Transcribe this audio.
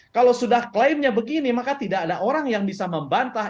kalau sudah klaimnya begini maka tidak ada orang yang bisa membantah